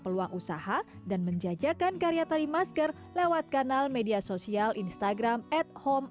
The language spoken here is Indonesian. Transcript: peluang usaha dan menjajakan karya tari masker lewat kanal media sosial instagram at home